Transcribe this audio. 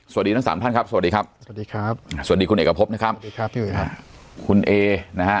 สวัสดีทั้ง๓ท่านครับสวัสดีครับสวัสดีครับสวัสดีคุณเอกพบนะครับคุณเอนะ